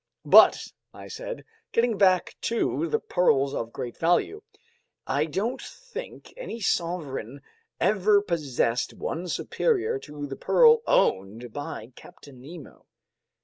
"But," I said, "getting back to pearls of great value, I don't think any sovereign ever possessed one superior to the pearl owned by Captain Nemo."